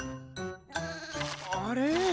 あれ？